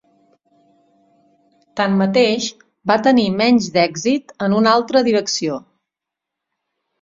Tanmateix, va tenir menys d'èxit en una altra direcció.